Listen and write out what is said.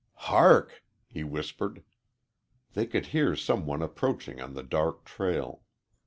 "Hark!" he whispered. They could hear some one approaching on the dark trail.